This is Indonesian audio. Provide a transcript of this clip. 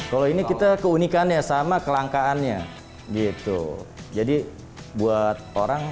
kalau ini kita keunikannya sama kelangkaannya gitu jadi buat orang